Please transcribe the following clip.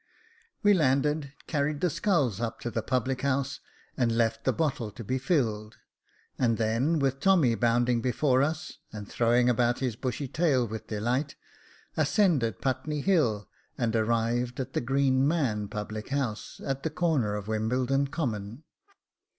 We landed, carried the sculls up to the public house, and left the bottle to be filled, and then, with Tommy bounding before us, and throwing about his bushy tail with delight, ascended Putney Hill, and arrived at the Green Man public house, at the corner of Wimbledon Common.